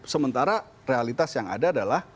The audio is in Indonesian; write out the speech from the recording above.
sementara realitas yang ada adalah